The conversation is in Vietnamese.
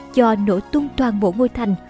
cho nổ tung toàn bộ ngôi thành